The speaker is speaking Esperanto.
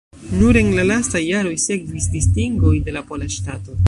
Nur en la lastaj jaroj sekvis distingoj de la pola ŝtato.